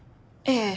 ええ。